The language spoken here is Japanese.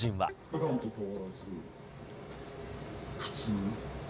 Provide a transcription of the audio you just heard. ふだんと変わらず、普通。